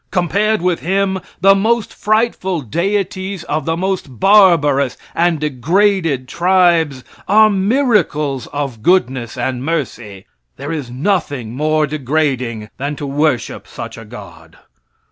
Compared with him, the most frightful deities of the most barbarous and degraded tribes are miracles of goodness and mercy. There is nothing more degrading than to worship such a God.